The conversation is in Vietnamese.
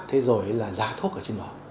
thế rồi là giá thuốc